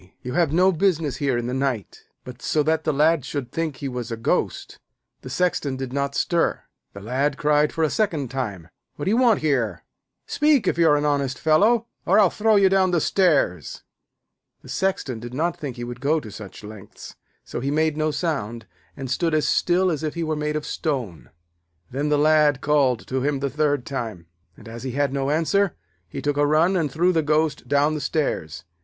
You have no business here in the night.' But so that the Lad should think he was a ghost, the Sexton did not stir. The Lad cried for the second time: 'What do you want here? Speak if you are an honest fellow, or I'll throw you down the stairs.' The Sexton did not think he would go to such lengths, so he made no sound, and stood as still as if he were made of stone. Then the Lad called to him the third time, and, as he had no answer, he took a run and threw the ghost down the stairs.